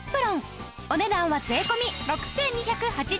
お値段は税込６２８０円。